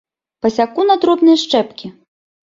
Пасяку на дробныя шчэпкі!